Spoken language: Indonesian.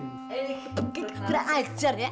oke berajar ya